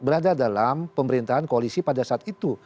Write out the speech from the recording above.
berada dalam pemerintahan koalisi pada saat itu